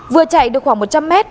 vừa chạy được khoảng một trăm linh mét